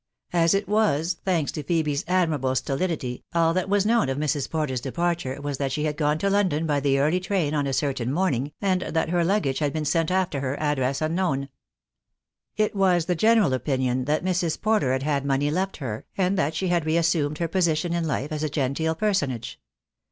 As it was, thanks to Phoebe's ad THE DAY WILL COME. 251 mlrable stolidity, all that was known of Mrs. Porter's departure was that she had gone to London by the early train on a certain morning, and that her luggage had been sent after her, address unknown. It was the general opinion that Mrs. Porter had had money left her, and that she had reassumed her position in life as a genteel personage.